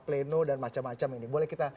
pleno dan macam macam ini boleh kita